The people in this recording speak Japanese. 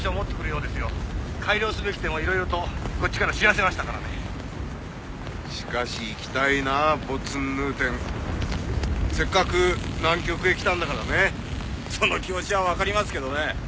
改良すべき点をいろいろとこっちから知らせましたからねしかし行きたいなあボツンヌーテンせっかく南極へ来たんだからねその気持ちは分かりますけどね